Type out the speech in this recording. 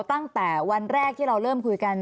ตั้งแต่วันแรกที่เราเริ่มคุยกัน